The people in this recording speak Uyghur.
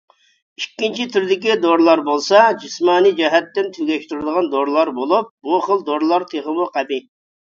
ئىككىنچى تۈردىكى دورىلار بولسا جىسمانىي جەھەتتىن تۈگەشتۈرىدىغان دورىلار بولۇپ، بۇ خىل دورىلار تېخىمۇ قەبىھ.